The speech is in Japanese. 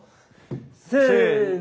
せの。